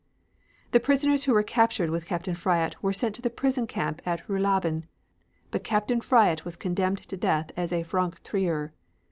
The prisoners who were captured with Captain Fryatt were sent to the prison camp at Ruhlaben, but Captain Fryatt was condemned to death as a "franc tireur."